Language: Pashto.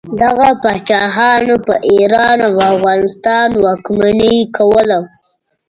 دغه پاچاهانو په ایران او افغانستان واکمني کوله.